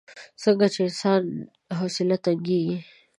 څنګه چې د انسان حوصله تنګېږي.